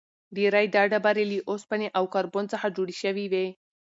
ډېری دا ډبرې له اوسپنې او کاربن څخه جوړې شوې وي.